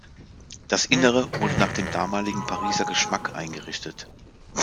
Das Innere wurde nach dem damaligen Pariser Geschmack eingerichtet.